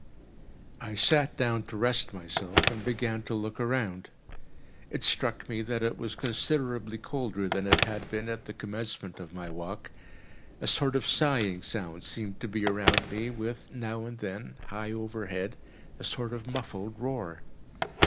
I sat down to rest myself, and began to look around. It struck me that it was considerably colder than it had been at the commencement of my walk—a sort of sighing sound seemed to be around me, with, now and then, high overhead, a sort of muffled roar.